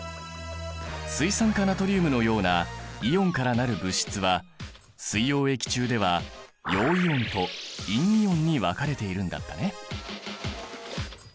水酸化ナトリウムのようなイオンから成る物質は水溶液中では陽イオンと陰イオンに分かれているんだったね。